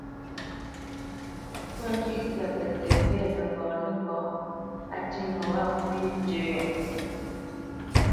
Ntwá njʉ́ʼ syâ pətsǐ fɛ̌ nəghǎ nəghǎ, á tî nɔ wâ pó yē njə́ yɔ̂,